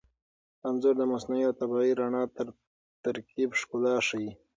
انځور د مصنوعي او طبیعي رڼا تر ترکیب ښکلا ښيي.